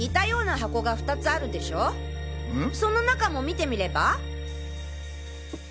その中も見てみれば？